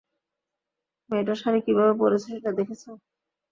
মেয়েটা শাড়ি কিভাবে পরেছে সেটা দেখেছ?